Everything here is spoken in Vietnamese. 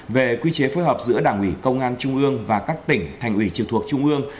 về quy chế phối hợp giữa đảng ủy công an trung ương và các tỉnh thành ủy trực thuộc trung ương